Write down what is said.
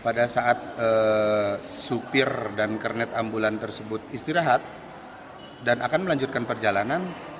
pada saat supir dan kernet ambulan tersebut istirahat dan akan melanjutkan perjalanan